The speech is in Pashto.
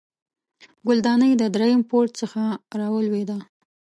ګلدانۍ د دریم پوړ څخه راولوېده